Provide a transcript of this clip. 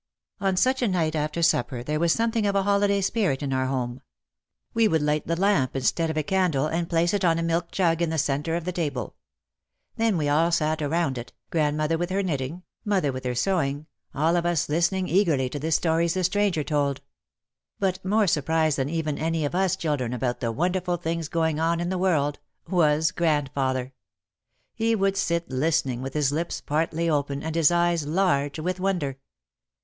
On such a night after supper there was something of the holiday spirit in our home. We would light the lamp instead of a candle and place it on a milk jug in the centre OUT OF THE SHADOW n of the table. Then we all sat around it, grandmother with her knitting, mother with her sewing, all of us lis tening eagerly to "the stories the stranger told. But more surprised even than any of us children about the wonder ful things going on in the world, was grandfather. He would sit listening with his lips partly open and his eyes large with wonder.